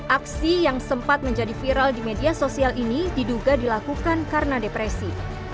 aksi yang sempat menjadi viral di media sosial ini diduga dilakukan karena depresi